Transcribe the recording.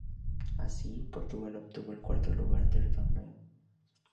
Así, Portugal obtuvo el cuarto lugar del torneo.